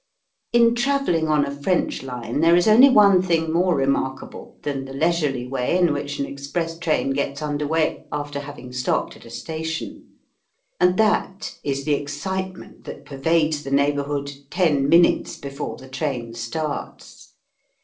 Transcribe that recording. In travelling on a French line there is only one thing more remarkable than the leisurely way in which an express train gets under way after having stopped at a station, and that is the excitement that pervades the neighbourhood ten minutes before the train starts.